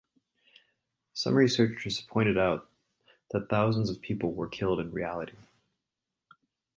Some researchers have pointed out that thousands of people were killed in reality.